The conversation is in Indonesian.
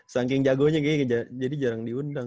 saking jagonya jadi jarang diundang